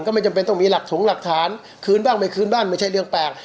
ไม่จำเป็นต้องมีหลักถงหลักฐานคืนบ้างไม่คืนบ้างไม่ใช่เรื่องแปลก